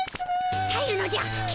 たえるのじゃ金。